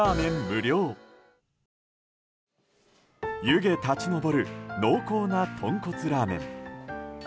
湯気立ち上る濃厚なとんこつラーメン。